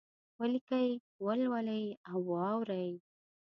ولیکئ، ولولئ او واورئ!